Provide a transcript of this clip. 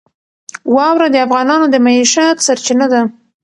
واوره د افغانانو د معیشت سرچینه ده.